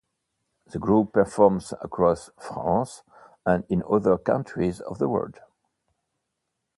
The group performs across France and in other countries of the world.